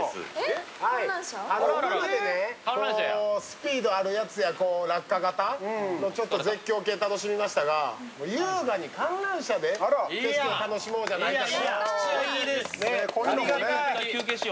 今までスピードあるやつや、落下型の絶叫系、楽しみましたが、優雅に観覧車で景色を楽しもうと。